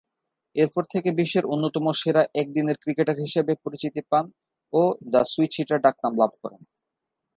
এরপর থেকে বিশ্বের অন্যতম সেরা একদিনের ক্রিকেটার হিসেবে পরিচিতি পান ও 'দ্য সুইচ-হিটার' ডাকনাম লাভ করেন।